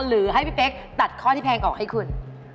หรือให้พี่เป๊กตัดข้อที่แพงออกให้คุณ